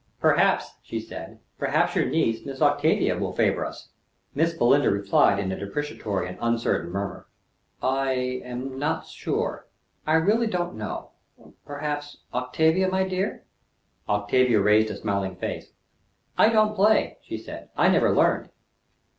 "Perhaps," she said, "perhaps your niece, Miss Octavia, will favor us." Miss Belinda replied in a deprecatory and uncertain murmur. "I am not sure. I really don't know. Perhaps Octavia, my dear." Octavia raised a smiling face. "I don't play," she said. "I never learned."